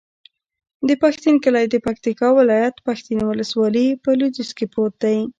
د پښتین کلی د پکتیکا ولایت، پښتین ولسوالي په لویدیځ کې پروت دی.